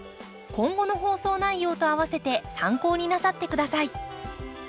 今後の放送内容とあわせて参考になさって下さい。